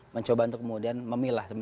mencoba untuk kemudian memilah